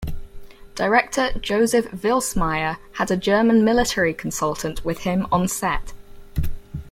Director Joseph Vilsmaier had a German military consultant with him on set.